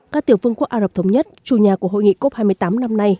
các tiểu vương quốc ả rập thống nhất chủ nhà của hội nghị cop hai mươi tám năm nay